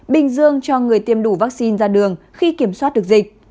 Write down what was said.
bình dương cho người tiêm đủ vaccine ra đường khi kiểm soát được dịch